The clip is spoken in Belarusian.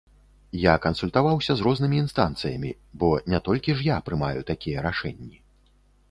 Я кансультаваўся з рознымі інстанцыямі, бо не толькі ж я прымаю такія рашэнні.